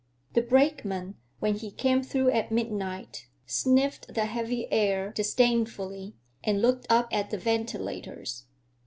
The brakeman, when he came through at midnight, sniffed the heavy air disdainfully and looked up at the ventilators.